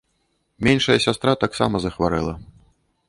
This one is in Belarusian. Меншая сястра таксама захварэла.